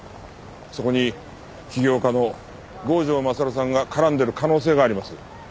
そこに起業家の郷城勝さんが絡んでる可能性があります。